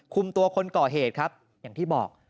คุมตัวคนก่อเหตุครับอย่างที่บอก